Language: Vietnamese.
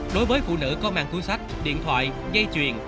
đối với phụ nữ có mang túi sách điện thoại dây chuyền